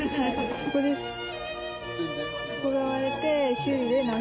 ここです。